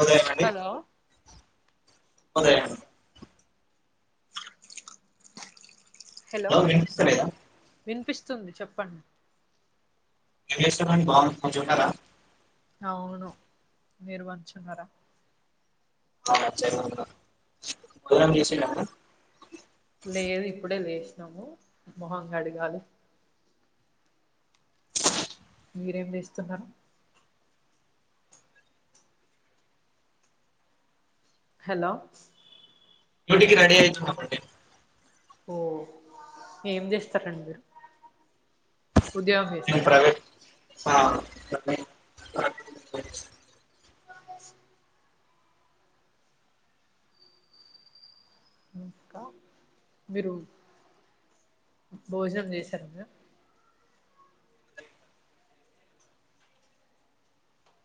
ఉదయనండి hello ఉదయం hello వినిపిస్తుంది చెప్పండి ఏం చేస్తామండి బాగున్న మంచిగున్నర అవును మీరు మంచున్నారా అవున చెరువున్నదా భోజనం చేసిరండి లేదు ఇప్పుడే లేసినాము మొహం గాడగాలి మీరేం చేస్తున్నారు హలో డ్యూటీకి రెడీ అయితున్నమండి ఓ ఏం చేస్తారండి మీరు ఉద్యోగం మేము జెస్తరా ప్రైవేట్ ఆ అ ఇంకా మీరు భోజనం చేసార అన్నయ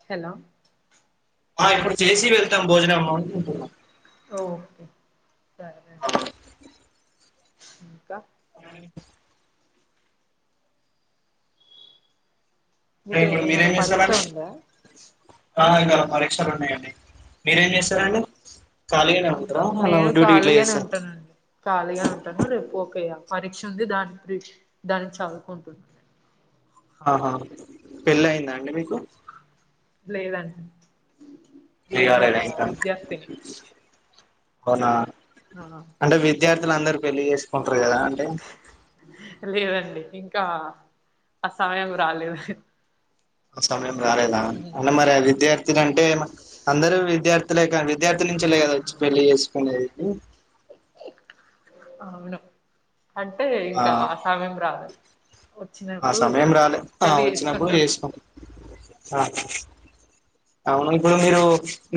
హలో ఆ ఇప్పుడు చేసి వెళ్తాం భోజనము ఓకే స ఇంకా అవునండి. రే మీకు ఇప్పుడు ఏమైనా మీరేం పరీక్ష చేస్తారండి ఉందా ఆ ప్రాణాకాల పరీక్షలు ఉన్నాయండి మీరేం చేస్తారండి ఖాళీగానే ఉంటారా అలా నేను డ్యూటీ ఇట్లా ఖాళీగానే చేస్తారా ఉంటానండి ఖాళీగానే ఉంటాను రేపు ఒకేయా పరీక్ష ఉంది దాని ప్రి దాన్ని చదువుకుంటున్న నేను ఆహా పెళ్ళి అయిందా అండి మీకు లేదండి పెళ్ళి నేను కాలేదా ఒక ఇంకా విద్యార్థిని అవునా ఆహా అంటే విద్యార్థులు అందరు పెల్లి చేసుకుంటారు కదా అంటే లేదండి ఇంకా ఆ సమయం రాలేదు సమయం రాలేదా ఉమ్, అన్న మరే విద్యార్థిలాంటె అందరూ విద్యార్థులే కా విద్యార్థుల నుంచలే కదా వచ్చి పెళ్ళి చేసుకునేది అవును అంటే ఇంకా ఆ సమయం రాలే ఆ సమయం రాలే ఆ వచ్చినప్పుడు చేసుకుంటున్నాం చేసుకోం అవును ఇప్పుడు మీరు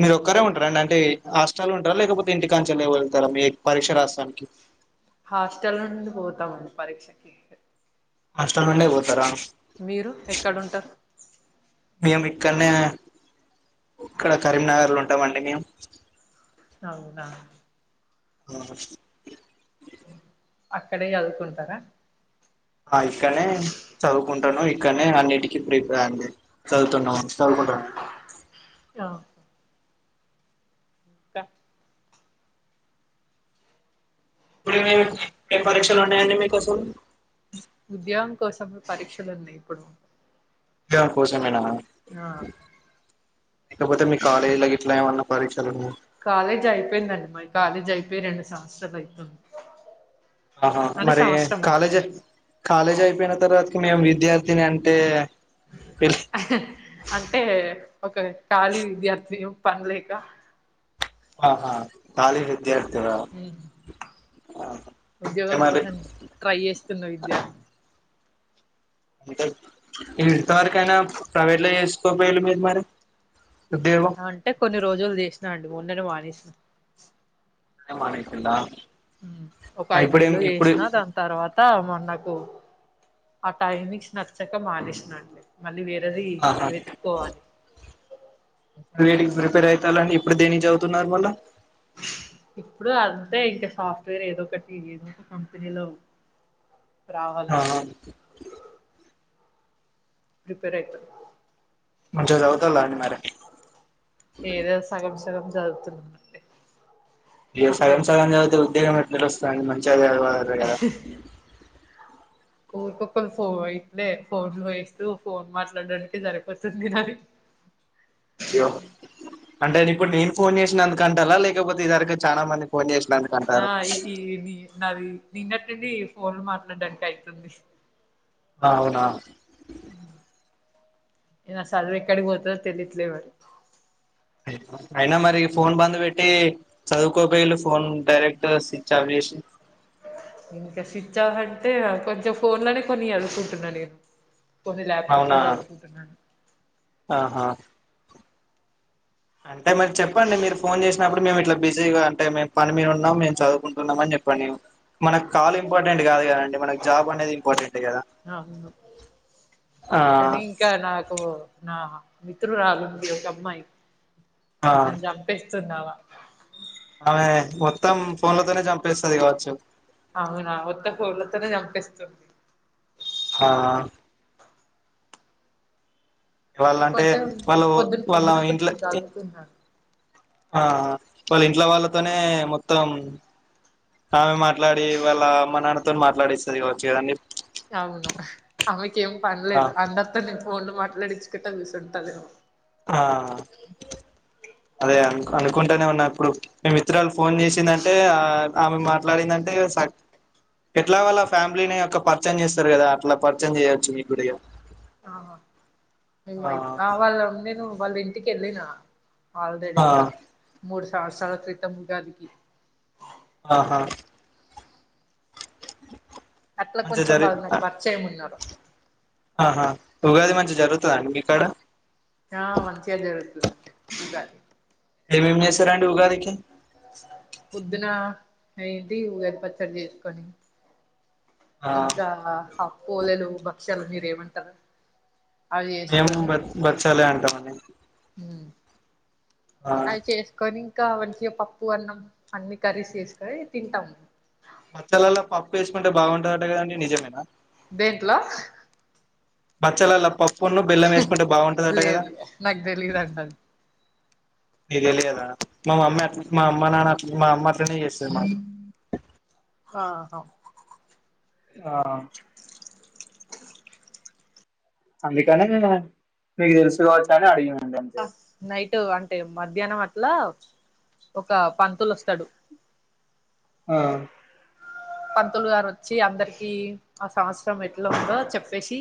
మీరు ఒక్కరే ఉంటారండి అంటే హస్టల్ ఉంటారా లేకపోతే ఇంటి కాంచెలే వెళ్తారా మీ పరీక్ష రస్తానికి హాస్టల్ నుండి పోతామండి పరీక్షకి. హాస్టల్ నుండే పోతరా! మీరు ఎక్కడ ఉంటరు? మేము ఇక్కడ్నే ఇక్కడ కరీంనగర్ లో ఉంటమండి మేము. అవునా ఆ అక్కడే చదువుకుంటరా? ఆ ఇక్కనే చదువుకుంటను, ఇక్కనే అన్నిటికీ ప్రీపేర్ అండి చదువు తున్నం చదువుకుంటున్నం ఆ, ఇంక ఇప్పుడేమీ ఏం పరీక్షలు ఉన్నయండి మీకసలు. ఉద్యోగం కోసమే పరీక్షలు ఉన్నయి ఇప్పుడు. ఉద్యోగం కోసమేనా ఆ లేకపోతే మీ కాలేజీలో గిట్ల ఏమన్న పరీక్షలున్నయా కాలేజ్ అయిపోయిందండి మాయి కాలేజ్ అయిపొయి రెండు సంవత్సరాలు అయితుంది. ఆ హాఁ అంటే మరీ సంవత్సరం కాలేజ్ అయితుంది కాలేజ్ అయిపోయిన తర్వాత మేము విద్యార్థిని అంటే అంటే ఒక ఖాళీ విద్యార్థి పనిలేక ఆ హాఁ ఖాళీ విద్యార్థివా! ఆహా అదే ఉద్యోగం మరి కోసం ట్రై చేస్తున్న విద్యా అంటే ఇంతవరకైనా ప్రైవేట్ లో చేసుకోపోయిళు మీరు మరి. ఉద్యోగం అంటే కొన్ని రోజులు చేసినా అండి మొన్ననే మానేసినా. మొన్ననే మానేసిన్రా మ్ ఒక ఐదు నెల్లు జేసిన దాని తర్వాత మొన్న ఓ ఆ టైమింగ్స్ నచ్చక మానేసిన అండి మళ్ళీ వేర్ రెది ఆహా వెతుక్కోవాలి వేటికి ప్రిపేర్ అయితానని ఇప్పుడు దేనికి చదువుతున్నారు మళ్ల ఇప్పుడు అంతే ఇంక సాఫ్ట్వేర్ ఏదో ఒకటి ఏదో ఒక కంపెనీలో ఆ రావాలని హా ప్రిపేర్ అయితు మంచిగ చదువుతుండ్ళ అండి మరీ ఏదో సగం సగం చదువుతున్న అంతే. ఇగ సగం సగం చదివితే ఉద్యోగం అట్లెట్ల వస్తదండి మంచిగా చదవాలి కదా. ఊరికొక్కళు ఫో ఇట్లే ఫోన్ లో వయిస్తూ ఫోన్ మాట్లాడడానికి సరిపోతుంది నాది అ అయ్యో అంటే ఇప్పుడు నేను ఫోన్ చేసినందుకు అంటల్లా లేకపోతే ఇదివరకు చాన మంది ఫోన్ చేసి ఆ ఈ ఈ నీ నాది నిన్నట్ట్నుండి ఫోన్ లు మాట్లాడడానికి అయితుంది. అవునా మ్ ఇగ సదువు ఎక్కడికి పోతదో తెలిట్లేదు మరి. అయినా మరి ఫోన్ బంద్ వెట్టీ చదువుకోపోయిళ్ళు phone direct switch off చేసి ఇంకా స్విచ్ ఆఫ్ అంటే కొంచెం ఫోన్లనే కొన్ని చదువుకుంటున్నా నేను. కొన్ని లాప్టాప్లా అవునా చదుకుంటున్నాను. ఆహా అంటే మరి చెప్పండి మీరు ఫోన్ చేసినప్పుడు మేము ఇట్ల బిజీగా అంటే మేము పని మీద ఉన్నం మేము చదువుకుంటున్నాం అని చెప్ పనియు మనక్ కాల్ ఇంపార్టెంట్ కాదు కదండి. మనక్ జాబ్ అనేది ఇంపార్టెంట్. కదా అవును ఆ కానీ ఇంకా నాకు నా మిత్రురాలు ఉంది ఒక అమ్మాయి, నన్ను చంపేస్తుంది ఆమ ఆమే మొత్తం ఫోన్లతోనే చంపేస్తది కావచ్చు. అవునా ఉత్త ఫోన్లతోనే చంపేస్తుంది. ఆా వాళ్ళ అంటే కొంచెం వాళ్ళు పొద్దున వాళ్ళ పొద్దున ఇంట్లో కొంచెం చదువుకున్నాను ఆ వాళ్ళ ఇంట్ల వాళ్ళతోనే మొత్తం ఆమె మాట్లాడి వాళ్ళ మా నాన్నతో మాట్లాడిస్తుంది వచ్చుదన్న అవును ఆమెకి ఏం ఆ పనలేదు అంత్తను ఫోన్ లో మాట్లాడించుకుంట చసుసింటదేమో ఆ అదే అ అనుకుంటానే ఉన్నా ఇప్పుడు మే మిత్రలు ఫోన్ చేసిందంటే ఆమె మాట్లాడిందంటే ఎట్లా వాళ్ళ ఫ్యామిలీని యొక్క పర్చయం చేస్తారు కదా అట్లా పర్చయం చేయొచ్చు మీ గుడిగా ఆహా మేమ ఆ వాళ్ళ నేను వాళ్ళ ఇంటికి వెళ్ళిన వాల్దడి ఆ ఒక మూడు సంవత్సరాల క్రితం ఉగాదికి ఆహా అట్లా ే కొంచెం జర వాళ్ళు నాకు పరిచయం ఉన్నారు ఆహా ఉగాది మంచిగా జరుగుతుందండి మీకడ ఆ మంచిగా జరుగుతుందండి ఇగా ఏవిం చేసి రండి ఉగాదికి పొద్దున ఏంటి ఉగాది పచ్చడి చేసుకని ఆ ఇంకా కోలలు భక్షలు మీరేమంటారా మేము బ బచ్చాలి అంటామని అది చేసుకొని ఇకా మంచిగా పప్పు అన్నం అన్ని కర్రీస్ వేసుక తింటాము బచ్చలలో పప్పు వేసుకుంటే బాగుంటుందటే కదండీ నిజమేనా దేంట్లో పచ్చలలా పప్పున్న బెల్లం వేసుకుంటే బాగుంటందట కదా లేదు నాకు తెలీదంట అది మీరే లేదా మా మమ్మీ అట్ మా అమ్మ నాన్న అట్ మా అమ్మ అట్లనే చేసది మకు అ ఆహా ఆ అందుకనే మీకు తెలుసుకవచ్చు అని అడిగన నైట్ అంటే మధ్యాహ్నం వచ్చ అట్లా ఒక పంతులు వస్తాడు ఆ పంతులు గారు వచ్చి అందరికి ఆ సంవత్సరం ఎట్లా ఉందో చెప్పేసి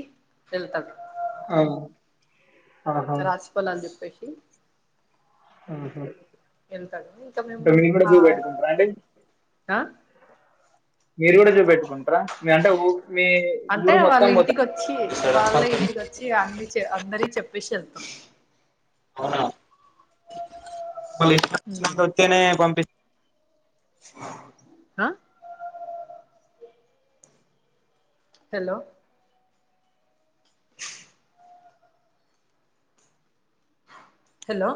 వెళ్తది అ రాశిపలాలు చెప్పేసి ఆహ ఎంత ఇంకా మేము చూపెట్టుకుంటారా అండి మీరు కూడా చూపెట్టుకుంటారా మీ అంటే ఊ మీ అంటే ఊరు మొత్తం మొత్తస్తారా మొత్తం చ్చి అన్ని అందరి చెప్పేసి అవునా మళ్ళీ వేనే పంపి హా హలో హలో